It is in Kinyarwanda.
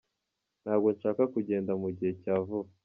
Ntabwo nshaka kugenda mu gihe cya vuba.